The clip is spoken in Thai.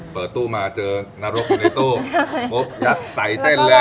เปิดตู้มาเจอนรกในตู้พบใส้เส้นเลย